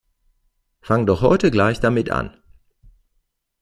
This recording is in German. Fang' doch heute gleich damit an!